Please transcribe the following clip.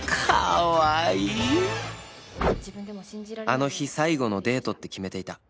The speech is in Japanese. あの日最後のデートって決めていた